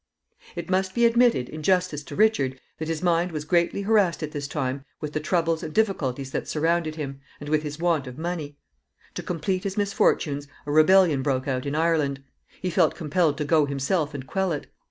It must be admitted, in justice to Richard, that his mind was greatly harassed at this time with the troubles and difficulties that surrounded him, and with his want of money. To complete his misfortunes, a rebellion broke out in Ireland. He felt compelled to go himself and quell it.